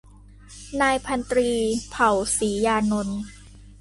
นายพันตรี เผ่า ศรียานนท์